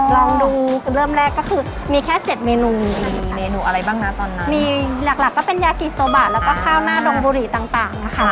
ลองดูเริ่มแรกก็คือมีแค่เจ็ดเมนูมีเมนูอะไรบ้างนะตอนนั้นมีหลักหลักก็เป็นยากิโซบะแล้วก็ข้าวหน้าดงบุหรี่ต่างต่างนะคะ